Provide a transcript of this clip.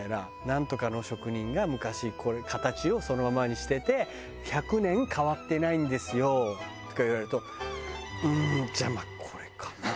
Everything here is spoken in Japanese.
「ナントカの職人が昔形をそのままにしてて１００年変わってないんですよ」とか言われるとうーんじゃあまあこれかな。